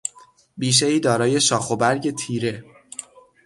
بیشهای دارای شاخ و برگ تیره